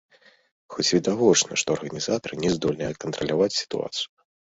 Хоць відавочна, што арганізатары не здольныя кантраляваць сітуацыю.